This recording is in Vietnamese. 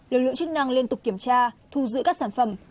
lực lượng chức năng liên tục kiểm tra thu giữ các sản phẩm